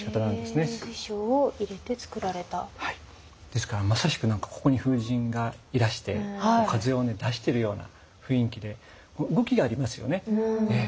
ですからまさしく何かここに風神がいらして風を出してるような雰囲気で動きがありますよね。